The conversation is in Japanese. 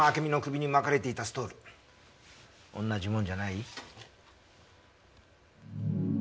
同じものじゃない？